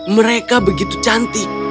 mereka begitu cantik